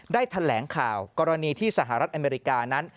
ได้แถลงข่าวกรณีที่สหรัฐอเมริกานั้น